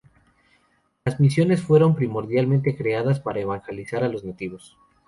Las misiones fueron primordialmente creadas para evangelizar a los nativos.